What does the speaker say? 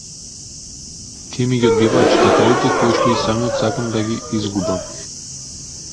Тие ми ги одбиваат читателите коишто и самиот сакам да ги изгубам.